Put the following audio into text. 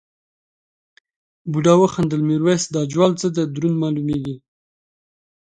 بوډا وخندل میرويس دا جوال څه دی دروند مالومېږي.